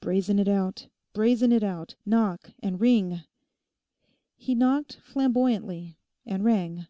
'Brazen it out; brazen it out! Knock and ring!' He knocked flamboyantly, and rang.